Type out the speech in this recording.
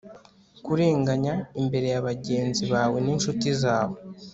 kurenganya, imbere ya bagenzi bawe n'incuti zawe